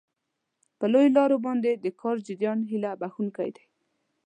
په لویو لارو باندې د کار جریان هیله بښونکی دی.